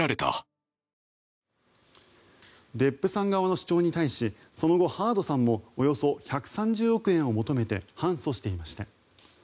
デップさん側の主張に対しその後、ハードさんもおよそ１３０億円を求めて反訴していました。